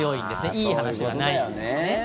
いい話はないんですね。